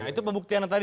itu pembuktiannya tadi